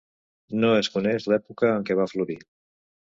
No es coneix l'època en què va florir.